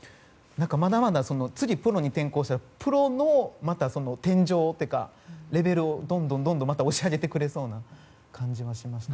まだまだ、次プロに転向したらプロの天井というかレベルをどんどんと押し上げてくれそうな感じもします。